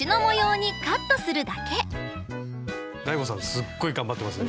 すっごい頑張ってますね